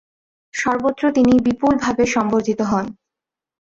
সর্বত্র তিনি বিপুলভাবে সম্বর্ধিত হন।